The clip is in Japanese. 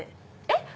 えっ⁉